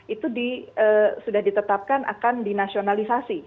itu sudah ditetapkan akan dinasionalisasi